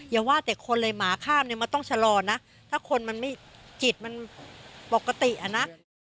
อย่าว่าแต่คนเลยหมาข้ามเนี่ยมันต้องชะลอนะถ้าคนมันไม่จิตมันปกติอ่ะนะ